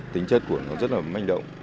tính chất của nó rất là manh động